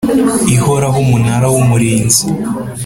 ihoraho Umunara w Umurinzi